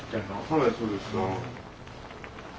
はいそうです。